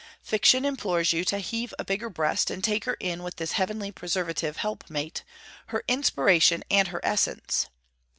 Fiction implores you to heave a bigger breast and take her in with this heavenly preservative helpmate, her inspiration and her essence.